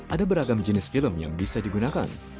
ada beragam jenis film yang bisa digunakan